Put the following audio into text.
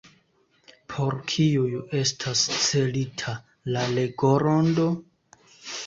Por kiuj estas celita la legorondo?